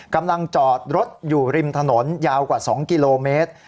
กำลังจอดรถอยู่ริมถนนยาวกว่า๒กิโลเมตร